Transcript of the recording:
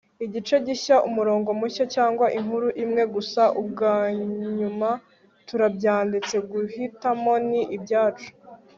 igice gishya, umurongo mushya, cyangwa inkuru imwe gusa? ubwanyuma turabyanditse. guhitamo ni ibyacu